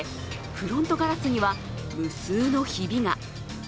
フロントガラスには無数のひびが。